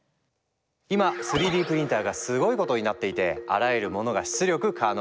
今３Ｄプリンターがすごいことになっていてあらゆるモノが出力可能！